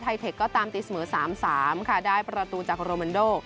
เทคก็ตามตีเสมอ๓๓ค่ะได้ประตูจากโรมันโด